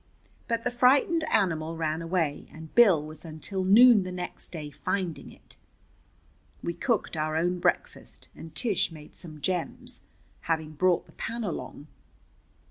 But the frightened animal ran away, and Bill was until noon the next day finding it. We cooked our own breakfast, and Tish made some gems, having brought the pan along.